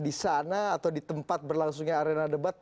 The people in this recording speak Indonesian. disana atau ditempat berlangsungnya arena debat